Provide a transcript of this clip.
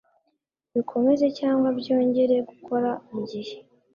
bikomeze cyangwa byongere gukora mu gihe